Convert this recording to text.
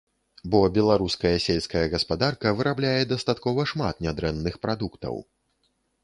Бо беларуская сельская гаспадарка вырабляе дастаткова шмат нядрэнных прадуктаў.